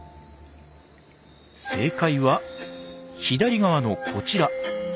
正解は左側のこちら。